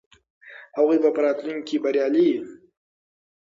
هغوی به په راتلونکي کې بریالي وي.